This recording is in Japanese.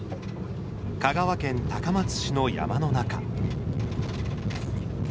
香川県、高松市の山の中。